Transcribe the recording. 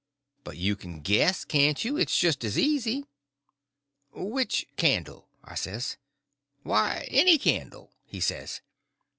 "But you can guess, can't you? It's just as easy." "Which candle?" I says. "Why, any candle," he says.